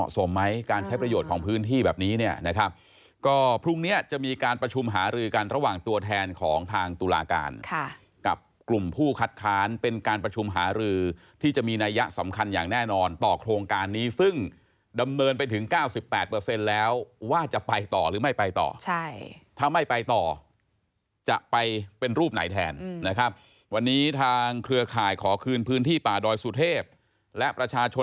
สมไหมการใช้ประโยชน์ของพื้นที่แบบนี้เนี่ยนะครับก็พรุ่งนี้จะมีการประชุมหารือกันระหว่างตัวแทนของทางตุลาการกับกลุ่มผู้คัดค้านเป็นการประชุมหารือที่จะมีนัยยะสำคัญอย่างแน่นอนต่อโครงการนี้ซึ่งดำเนินไปถึง๙๘แล้วว่าจะไปต่อหรือไม่ไปต่อใช่ถ้าไม่ไปต่อจะไปเป็นรูปไหนแทนนะครับวันนี้ทางเครือข่ายขอคืนพื้นที่ป่าดอยสุเทพและประชาชน